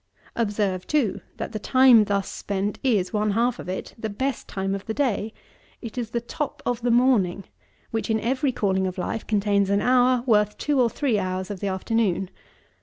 Observe, too, that the time thus spent is, one half of it, the best time of the day. It is the top of the morning, which, in every calling of life, contains an hour worth two or three hours of the afternoon.